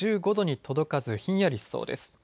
１５度に届かずひんやりしそうです。